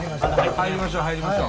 入りましょう入りましょう。